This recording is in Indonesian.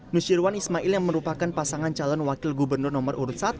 nusyirwan ismail yang merupakan pasangan calon wakil gubernur nomor urut satu